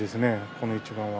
この一番は。